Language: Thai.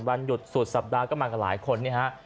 วันหยุดศูนย์สัปดาห์ก็มากระหลายคน